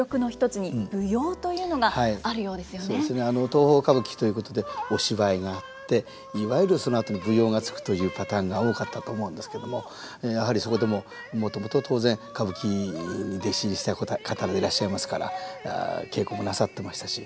東宝歌舞伎ということでお芝居があっていわゆるそのあとに舞踊がつくというパターンが多かったと思うんですけどもやはりそこでももともと当然歌舞伎に弟子入りした方でいらっしゃいますから稽古もなさってましたし。